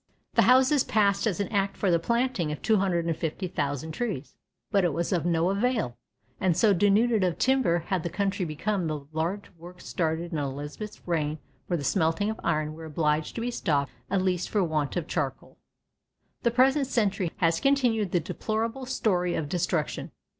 The houses passed an act for the planting of 250,000 trees, but it was of no avail, and so denuded of timber had the country become that large works started in Elizabeth's reign for the smelting of iron were obliged to be stopped at last for want of charcoal. The present century has continued the deplorable story of destruction.